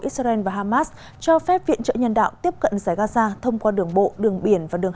israel và hamas cho phép viện trợ nhân đạo tiếp cận giải gaza thông qua đường bộ đường biển và đường